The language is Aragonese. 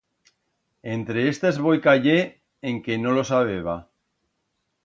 Entre estas voi cayer en que no lo sabeba.